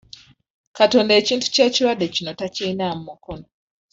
Katonda ekintu ky'ekirwadde kino takirinaamu mukono.